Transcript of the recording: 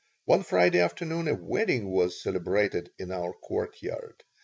One Friday afternoon a wedding was celebrated in our courtyard.